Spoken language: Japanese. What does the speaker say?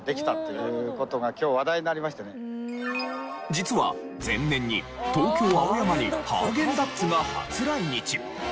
実は前年に東京青山にハーゲンダッツが初来日。